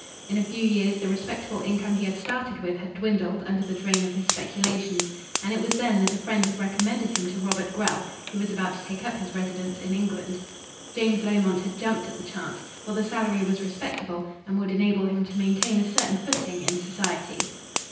In a few years the respectable income he had started with had dwindled under the drain of his speculations, and it was then that a friend had recommended him to Robert Grell, who was about to take up his residence in England. James Lomont had jumped at the chance, for the salary was respectable and would enable him to maintain a certain footing in society.